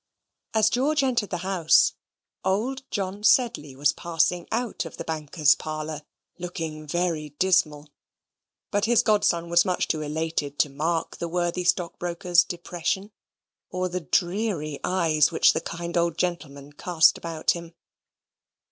As George entered the house, old John Sedley was passing out of the banker's parlour, looking very dismal. But his godson was much too elated to mark the worthy stockbroker's depression, or the dreary eyes which the kind old gentleman cast upon him.